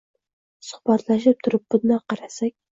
Suhbatlashib turib bundoq qarasak…